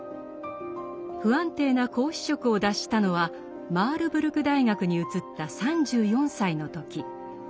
不安定な講師職を脱したのはマールブルク大学に移った３４歳の時。